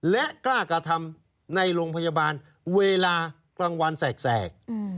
และกล้ากระทำในโรงพยาบาลเวลากลางวันแสก